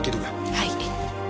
はい。